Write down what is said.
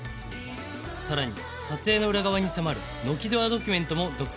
さらに撮影の裏側に迫る「ノキドアドキュメント」も独占配信中